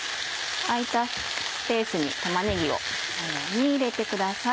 あいたスペースに玉ねぎを入れてください。